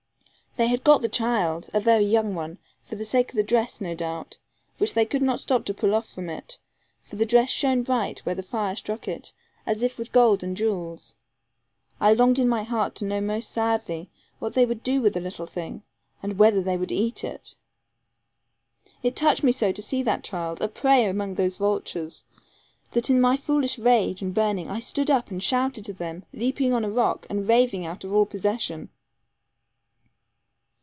They had got the child, a very young one, for the sake of the dress, no doubt, which they could not stop to pull off from it; for the dress shone bright, where the fire struck it, as if with gold and jewels. I longed in my heart to know most sadly what they would do with the little thing, and whether they would eat it. It touched me so to see that child, a prey among those vultures, that in my foolish rage and burning I stood up and shouted to them leaping on a rock, and raving out of all possession.